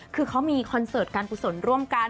คือเขามีคอนเสิร์ตการกุศลร่วมกัน